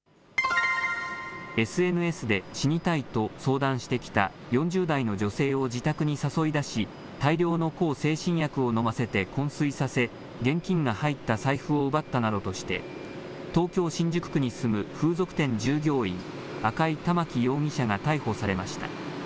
ＳＮＳで死にたいと相談してきた４０代の女性を自宅に誘い出し、大量の向精神薬を飲ませてこん睡させ、現金が入った財布を奪ったなどとして、東京・新宿区に住む風俗店従業員、赤井環容疑者が逮捕されました。